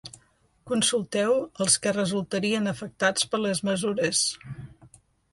Consulteu els que resultarien afectats per les mesures.